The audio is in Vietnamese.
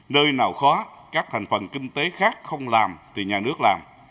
nơi nào khó các thành phần kinh tế khác không làm thì nhà nước làm